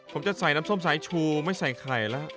ผมจะใส่น้ำส้มสายชูไม่ใส่ไข่แล้ว